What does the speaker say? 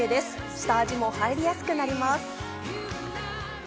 下味も入りやすくなります。